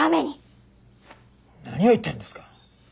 何を言ってるんですか？